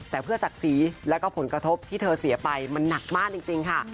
แต่เพื่อศักดิ์ศรีแล้วก็ผลกระทบที่เธอเสียไปมันหนักมากจริงค่ะ